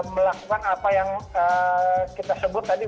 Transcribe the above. melakukan apa yang kita sebut tadi